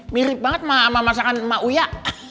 mirip banget sama masakan emak uya